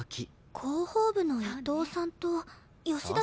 広報部の伊藤さんと吉田さんですね。